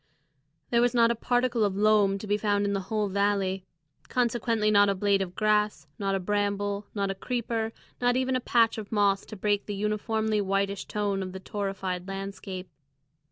There was not a particle of loam to be found in the whole valley, consequently not a blade of grass, not a bramble, not a creeper, not even a patch of moss to break the uniformly whitish tone of the torrified landscape.